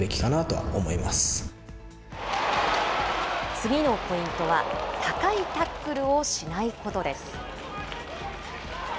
次のポイントは、高いタックルをしないことです。